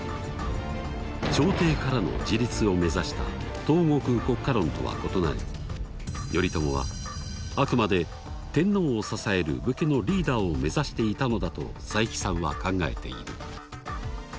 「朝廷」からの自立を目指した東国国家論とは異なり頼朝はあくまで天皇を支える武家のリーダーを目指していたのだと佐伯さんは考えている。